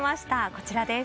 こちらです。